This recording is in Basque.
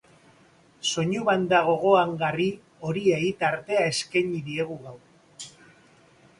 Soinu banda gogoangarri horiei tartea eskaini diegu gaur.